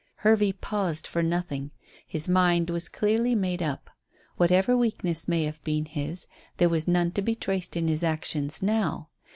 Hervey paused for nothing. His mind was clearly made up. Whatever weakness may have been his there was none to be traced in his actions now.